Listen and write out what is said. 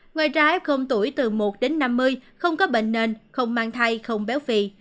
ngoài ra f tuổi từ một đến năm mươi không có bệnh nên không mang thai không béo vị